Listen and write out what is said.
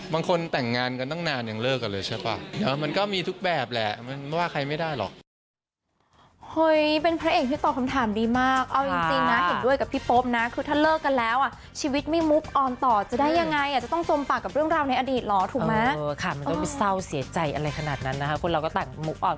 บางคนแต่งงานกันตั้งนานยังเลิกกันเลยใช่ป่ะมันก็มีทุกแบบแหละมันว่าใครไม่ได้หรอก